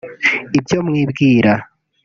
ibyo mwibwira